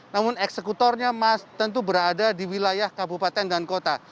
namun eksekutornya tentu berada di wilayah kabupaten dan kota